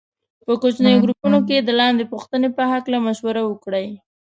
په کوچنیو ګروپونو کې د لاندې پوښتنې په هکله مشوره وکړئ.